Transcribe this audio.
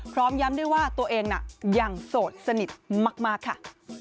พร้อมย้ำด้วยว่าตัวเองน่ะยังโสดสนิทมากค่ะ